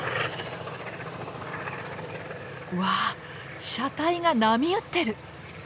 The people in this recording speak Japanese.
わあ車体が波打ってる！